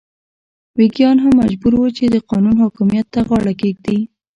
ویګیان هم مجبور وو چې د قانون حاکمیت ته غاړه کېږدي.